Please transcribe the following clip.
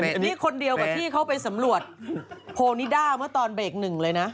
นี่คนเดียวกับที่เขาไปสำรวจโพนิด้าเมื่อตอนเบรกหนึ่งเลยนะ